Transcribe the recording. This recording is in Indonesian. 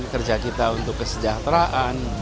kerja kita untuk kesejahteraan